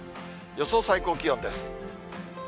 予想最高気温です。